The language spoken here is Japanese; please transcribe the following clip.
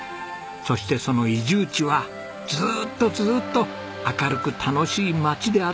そしてその移住地はずっとずっと明るく楽しい町であってほしい。